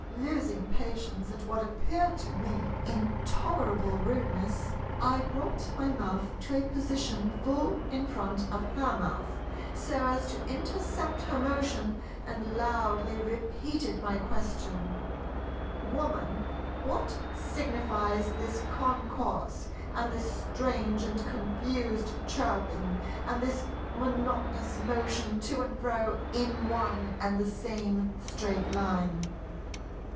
Losing patience at what appeared to me intolerable rudeness, I brought my mouth to a position full in front of her mouth so as to intercept her motion, and loudly repeated my question, "Woman, what signifies this concourse, and this strange and confused chirping, and this monotonous motion to and fro in one and the same Straight Line?"